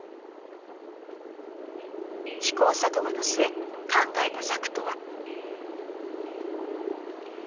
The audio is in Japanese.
試行錯誤の末考えた策とは。